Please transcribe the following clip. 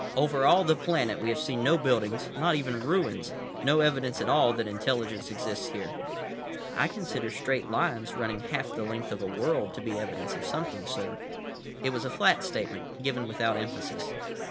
"Over all the planet we have seen no buildings, not even ruins, no evidence at all that intelligence exists here." "I consider straight lines, running half the length of a world, to be evidence of something, sir." It was a flat statement, given without emphasis.